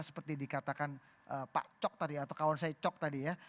seperti dikatakan pak cok tadi atau kawan saya cok tadi ya